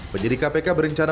penyidik kpk berencana